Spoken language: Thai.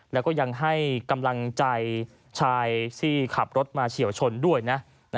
แล้วก็ยังให้กำลังใจชายที่ขับรถมาเฉียวชนด้วยนะ